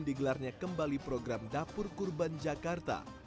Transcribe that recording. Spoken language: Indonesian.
digelarnya kembali program dapur kurban jakarta